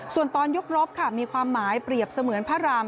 ส่วนตอนยกรบค่ะมีความหมายเปรียบเสมือนพระราม